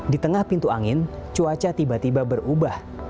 di tengah pintu angin cuaca tiba tiba berubah